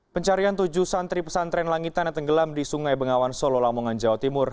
pencarian tujuh santri pesantren langitan yang tenggelam di sungai bengawan solo lamongan jawa timur